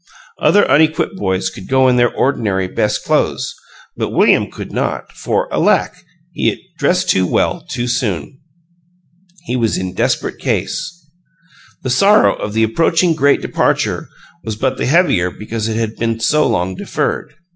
Other unequipped boys could go in their ordinary "best clothes," but William could not; for, alack! he had dressed too well too soon! He was in desperate case. The sorrow of the approaching great departure was but the heavier because it had been so long deferred.